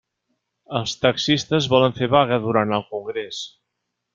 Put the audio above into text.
Els taxistes volen fer vaga durant el congrés.